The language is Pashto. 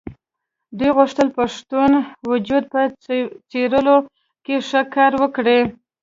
دوی غوښتل پښتون وجود په څېرلو کې ښه کار وکړي.